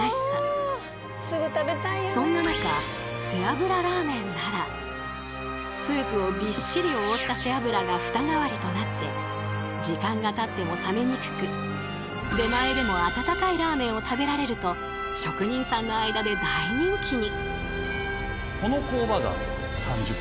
そんな中スープをびっしり覆った背脂がフタ代わりとなって時間がたっても冷めにくく出前でも温かいラーメンを食べられると職人さんの間で大人気に！